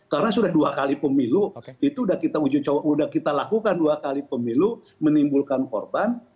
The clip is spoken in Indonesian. karena sudah dua kali pemilu itu sudah kita lakukan dua kali pemilu menimbulkan korban